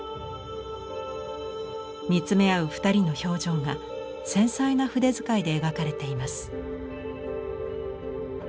見つめ合う２人の表情が繊細な筆遣いで描かれています。